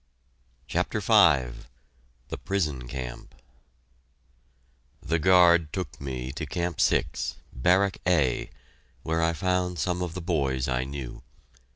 CHAPTER V THE PRISON CAMP The guard took me to Camp 6, Barrack A, where I found some of the boys I knew.